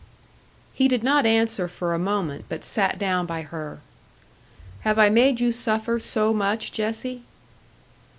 He did not answer for a moment, but sat down by her. "Have I made you suffer so much, Jessie?"